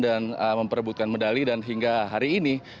dan memperebutkan medali dan hingga hari ini